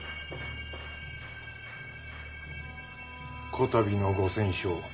こたびのご戦勝